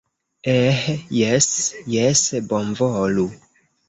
Eh jes, jes bonvolu